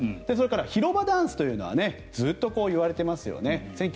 それから広場ダンスというのはずっと言われていますよね。